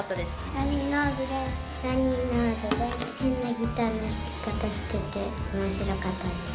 変なギターの弾き方してて面白かったです。